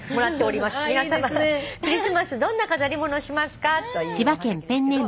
皆さまクリスマスどんな飾り物しますか？」というおはがきですけど。